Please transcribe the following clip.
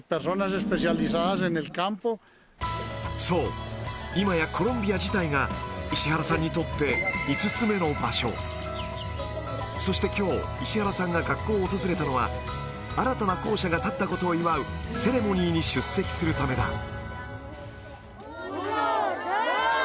そう今やコロンビア自体が石原さんにとってそして今日石原さんが学校を訪れたのは新たな校舎がたったことを祝うセレモニーに出席するためだ